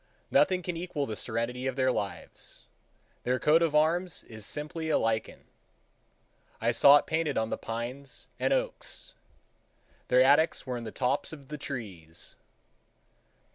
Nothing can equal the serenity of their lives. Their coat of arms is simply a lichen. I saw it painted on the pines and oaks. Their attics were in the tops of the trees.